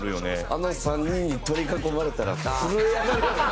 あの３人に取り囲まれたら震え上がる。